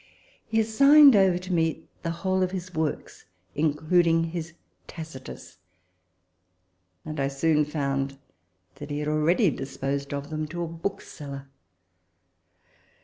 He assigned over to me the whole of his works, including his Tacitus ; and I soon found that he had already disposed of them to a bookseller